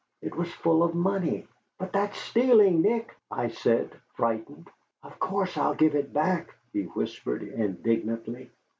It was full of money. "But that's stealing, Nick," I said, frightened. "Of course I'll give it back," he whispered indignantly.